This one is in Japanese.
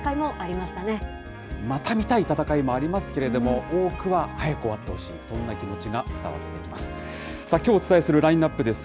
また見たい戦いもありますけれども、多くは早く終わってほしい、そんな気持ちが伝わってきます。